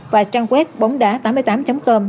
và trang web bóngdá tám mươi tám com